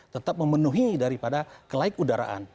tetap memenuhi daripada kelaik udaraan